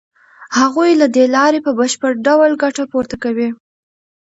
هغوی له دې لارې په بشپړ ډول ګټه پورته کوي